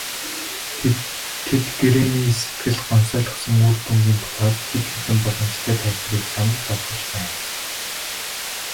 Тэд гэрээний сэтгэл гонсойлгосон үр дүнгийн тухайд хэд хэдэн боломжтой тайлбарыг санал болгож байна.